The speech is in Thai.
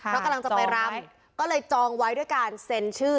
เพราะกำลังจะไปรับก็เลยจองไว้ด้วยการเซ็นชื่อ